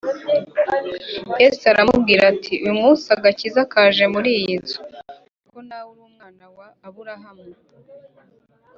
yesu aramubwira ati: “uyu munsi agakiza kaje muri iyi nzu, kuko na we ari umwana wa aburahamu”